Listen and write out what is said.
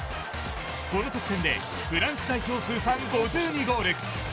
この得点でフランス代表通算５２ゴール。